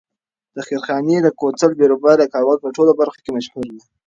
د خیرخانې د کوتل بیروبار د کابل په ټولو برخو کې مشهور دی.